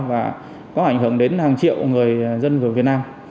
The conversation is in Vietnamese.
và có ảnh hưởng đến hàng triệu người dân của việt nam